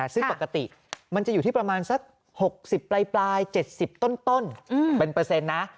ซึ่งปกติมันจะอยู่ที่ประมาณสัก๖๐ปลาย๗๐ต้นเป็นเปอร์เซ็นต์นะ